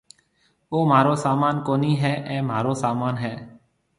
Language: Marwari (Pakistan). او مهارو سامان ڪونَي هيَ اَي مهارو سامان هيَ۔